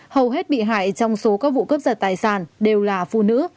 hầu hết bị hại trong số các vụ cướp giật tài sản đều là phụ nữ